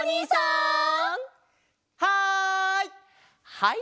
はい。